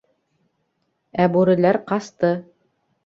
Ә бүреләр ҡасты...